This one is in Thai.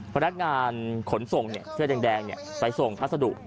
พนักงานขนส่งเนี่ยเสื้อแดงไปส่งทัศน์สะดุ